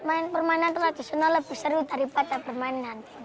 main permainan tradisional lebih seru daripada permainan